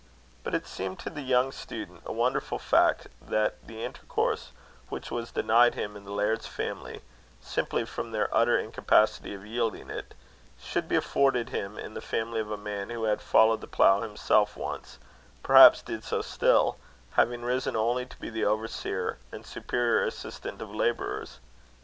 But it seemed to the young student a wonderful fact, that the intercourse which was denied him in the laird's family, simply from their utter incapacity of yielding it, should be afforded him in the family of a man who had followed the plough himself once, perhaps did so still, having risen only to be the overseer and superior assistant of labourers.